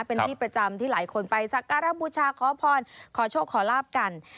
เป็นที่ประจำที่หลายคนไปสักการะบูชาขอพรขอโชคขอลาบกัน